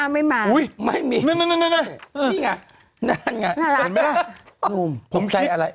ไม่มีนั่นไงน่ารัก